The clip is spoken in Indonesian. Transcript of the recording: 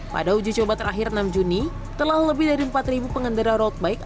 pada uji coba terakhir enam juni telah lebih dari empat pengendara road bike